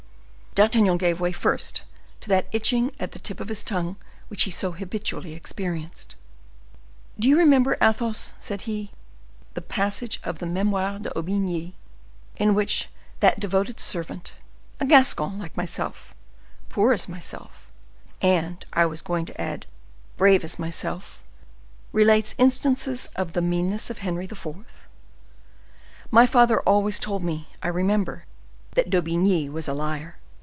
D'Artagnan gave way first to that itching at the tip of his tongue which he so habitually experienced. "Do you remember, Athos," said he, "the passage of the 'Memoires de D'Aubigny,' in which that devoted servant, a Gascon like myself, poor as myself, and, I was going to add, brave as myself, relates instances of the meanness of Henry IV.? My father always told me, I remember, that D'Aubigny was a liar.